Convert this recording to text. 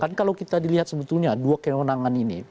kan kalau kita dilihat sebetulnya dua kewenangan ini